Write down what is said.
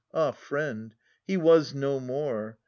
Ah, friend, he was no more.